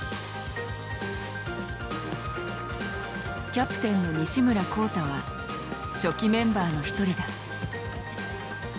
キャプテンの西村光太は初期メンバーの一人だ。